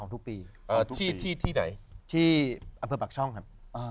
ที่อเบิศบัคช่องครับ